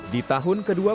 di tahun kedua